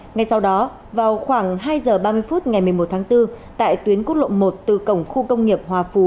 ngay sau đó vào khoảng hai giờ ba mươi phút ngày một mươi một tháng bốn tại tuyến quốc lộ một từ cổng khu công nghiệp hòa phú